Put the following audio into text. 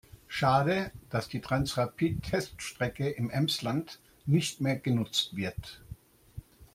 Schade, dass die Transrapid-Teststrecke im Emsland nicht mehr genutzt wird.